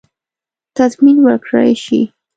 تضمین ورکړه شي.